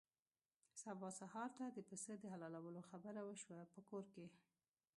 سبا سهار ته د پسه د حلالولو خبره وشوه په کور کې.